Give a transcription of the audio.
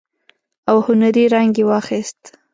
او هنري رنګ يې واخيست.